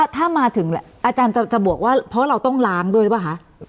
ถ้ามาถึงอาจารย์จะบวกว่าเพราะเราต้องล้างด้วยหรือเปล่าคะ